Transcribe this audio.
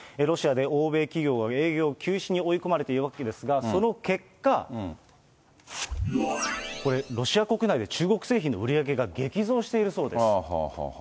ロシアで欧米企業が営業休止に追い込まれているわけですが、その結果、これ、ロシア国内で中国製品の売り上げが激増しているそうです。